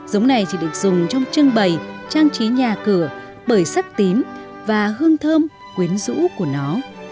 giống này chỉ được dùng trong trưng bày trang trí nhà cửa bởi sắc tím và hương thơm quyến rũ của nó